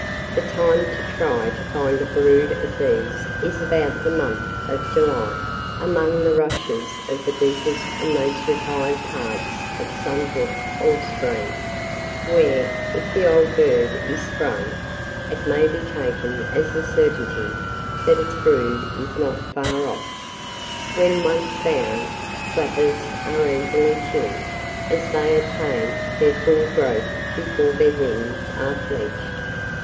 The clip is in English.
The time to try to find a brood of these is about the month of July, among the rushes of the deepest and most retired parts of some brook or stream, where, if the old bird is sprung, it may be taken as a certainty that its brood is not far off. When once found, flappers are easily killed, as they attain their full growth before their wings are fledged.